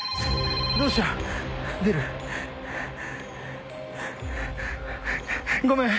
どうしよう？出る？ごめん。